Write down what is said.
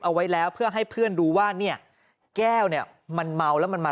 เอาไว้แล้วเพื่อให้เพื่อนรู้ว่าเนี่ยแก้วเนี่ยมันเมาแล้วมันมา